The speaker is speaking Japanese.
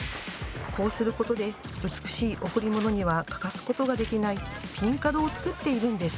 こうすることで美しい贈り物には欠かすことができない「ピン角」を作っているんです！